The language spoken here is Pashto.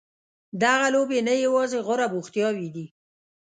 دغه لوبې نه یوازې غوره بوختیاوې دي.